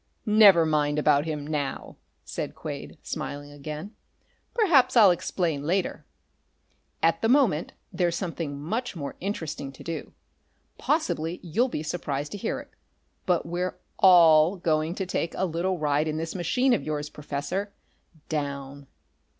"Never mind about him now," said Quade, smiling again. "Perhaps I'll explain later. At the moment there's something much more interesting to do. Possibly you'll be surprised to hear it, but we're all going to take a little ride in this machine of yours, Professor. Down.